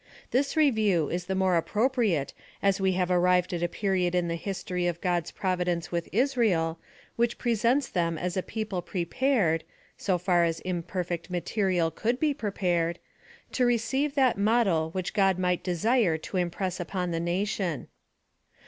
This review is the more appropriate as we have arrived at a period in the history of God's providence with Israel, whicli presents them as a people prepared (so far as im perfect material could be prepared) to receive that model which God might desire to impress upor the nation.